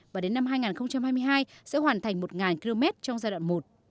và đến năm hai nghìn hai mươi hai sẽ hoàn thành một km trong giai đoạn một